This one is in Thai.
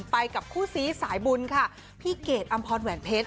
ไปกับคู่ซีสายบุญค่ะพี่เกดอำพรแหวนเพชร